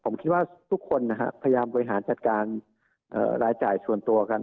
ผมคิดว่าทุกคนพยายามบริหารจัดการรายจ่ายส่วนตัวกัน